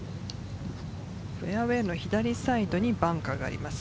フェアウエーの左サイドにバンカーがあります。